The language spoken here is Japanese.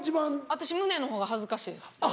私胸の方が恥ずかしいです。